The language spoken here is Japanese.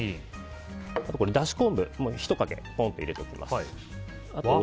あと、だし昆布も１かけポンと入れておきます。